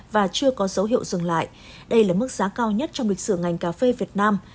và chưa có dấu hiệu dừng lại đây là mức giá cao nhất trong lịch sử ngành cà phê việt nam